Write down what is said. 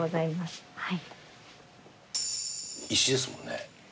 石ですもんね。